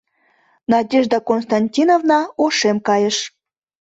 Надежда Константиновна ошем кайыш.